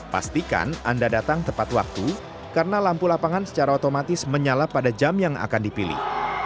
pastikan anda datang tepat waktu karena lampu lapangan secara otomatis menyala pada jam yang akan dipilih